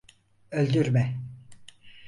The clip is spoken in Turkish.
Öldürme.